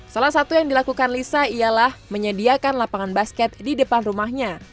salah satu yang dilakukan lisa ialah menyediakan lapangan basket di depan rumahnya